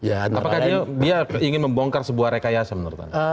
apakah dia ingin membongkar sebuah rekayasa menurut anda